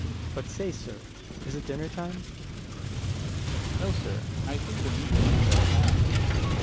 But say, sir, is it dinner time? Dro. S. No, sir: I think the meat wants that I have.